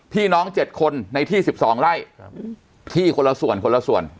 พี่น้องเจ็ดคนในที่สิบสองไร่ครับที่คนละส่วนคนละส่วน